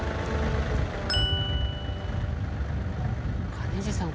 兼治さん